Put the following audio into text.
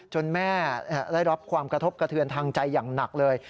แม่ได้รับความกระทบกระเทือนทางใจอย่างหนักเลย